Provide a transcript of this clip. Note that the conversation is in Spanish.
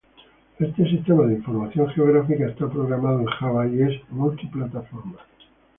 Este Sistema de Información Geográfica está programado en Java y es multiplataforma.